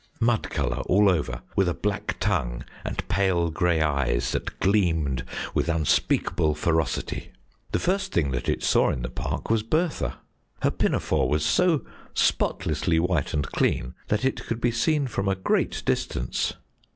"Mud colour all over, with a black tongue and pale grey eyes that gleamed with unspeakable ferocity. The first thing that it saw in the park was Bertha; her pinafore was so spotlessly white and clean that it could be seen from a great distance.